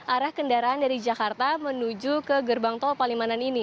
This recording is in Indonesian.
arah kendaraan dari jakarta menuju ke gerbang tol palimanan ini